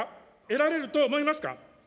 得られると思いますか。